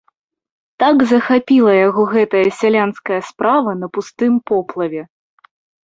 Так захапіла яго гэтая сялянская справа на пустым поплаве.